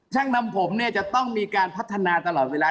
ช่างนำผมเนี่ยจะต้องมีการพัฒนาตลอดเวลา